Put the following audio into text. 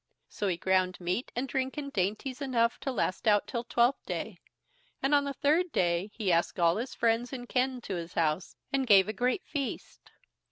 So he ground meat and drink and dainties enough to last out till Twelfth Day, and on the third day he asked all his friends and kin to his house, and gave a great feast.